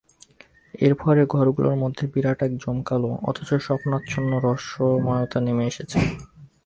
এর ফলে ঘরগুলোর মধ্যে বিরাট এক জাঁকালো অথচ স্বপ্নাচ্ছন্ন রহস্যময়তা নেমে এসেছে।